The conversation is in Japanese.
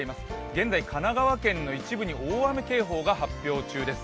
現在神奈川県の一部に大雨警報が発表中です。